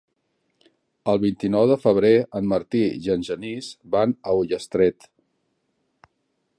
El vint-i-nou de febrer en Martí i en Genís van a Ullastret.